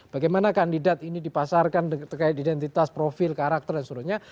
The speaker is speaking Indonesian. bagaimana kandidat ini dipasarkan terkait identitas profil karakter dan sebagainya